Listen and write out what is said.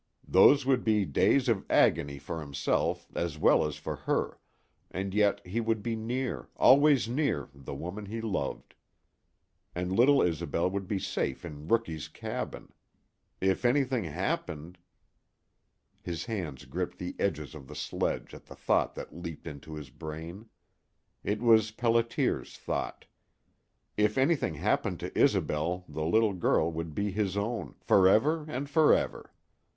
Those would be days of agony for himself as well as for her, and yet he would be near, always near, the woman he loved. And little Isobel would be safe in Rookie's cabin. If anything happened His hands gripped the edges of the sledge at the thought that leaped into his brain. It was Pelliter's thought. If anything happened to Isobel the little girl would be his own, forever and forever.